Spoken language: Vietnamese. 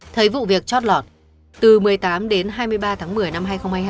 thấy vụ việc chót lọt từ một mươi tám đến hai mươi ba tháng một mươi năm hai nghìn hai mươi hai